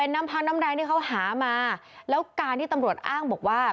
น้ำพังน้ำแรงที่เขาหามาแล้วการที่ตำรวจอ้างบอกว่า